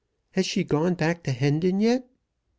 Has she gone back to Hendon yet?"